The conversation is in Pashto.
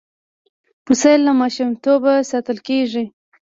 پسه له ماشومتوبه ساتل کېږي.